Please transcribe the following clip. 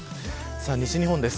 西日本です。